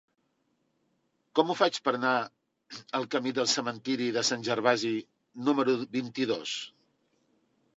Com ho faig per anar al camí del Cementiri de Sant Gervasi número vint-i-dos?